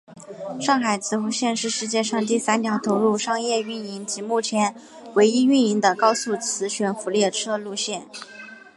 上海磁浮线是世界上第三条投入商业运营及目前唯一运营的高速磁悬浮列车线路。